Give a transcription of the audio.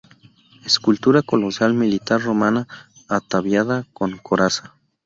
Escultura colosal militar romana, ataviada con coraza.